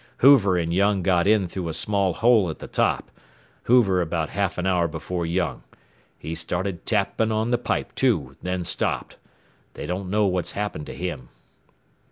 Hoover and Young got in through a small hole at the top, Hoover about half an hour before Young. He started tapping on the pipe too, then stopped. They don't know what happened to him."